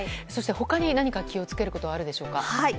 そしてほかに何か気をつけることはあるでしょうか。